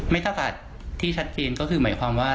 ไม่ทราบสาเหตุที่ชัดเจนก็คือหมายความว่า